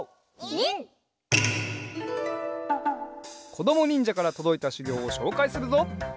こどもにんじゃからとどいたしゅぎょうをしょうかいするぞ。